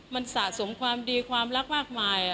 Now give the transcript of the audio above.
มันสะสมความดีความรักมากมาย